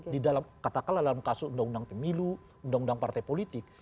di dalam katakanlah dalam kasus undang undang pemilu undang undang partai politik